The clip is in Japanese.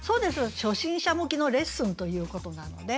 初心者向きのレッスンということなので。